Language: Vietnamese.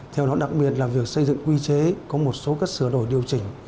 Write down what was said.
theo nó đặc biệt là việc xây dựng quy chế có một số cách sửa đổi điều chỉnh